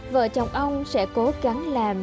vợ chồng ông sẽ cố gắng làm